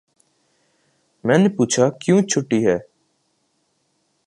میں نے پوچھا کیوں چھٹی ہے